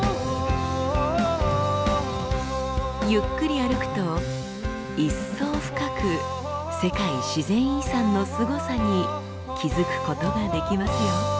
ゆっくり歩くと一層深く世界自然遺産のすごさに気付くことができますよ。